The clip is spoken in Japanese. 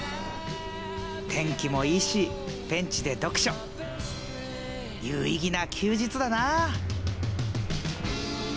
天気もいいしベンチで読書有意義な休日だな！